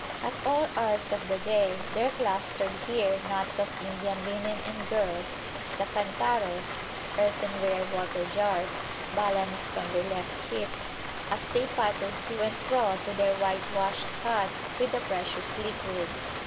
At all hours of the day there clustered here knots of Indian women and girls, the cantaros (earthenware water jars) balanced on their left hips as they pattered to and fro to their whitewashed huts with the precious liquid.